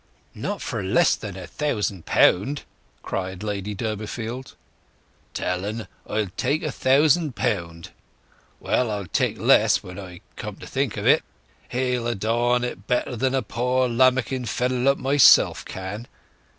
"Not for less than a thousand pound!" cried Lady Durbeyfield. "Tell'n—I'll take a thousand pound. Well, I'll take less, when I come to think o't. He'll adorn it better than a poor lammicken feller like myself can.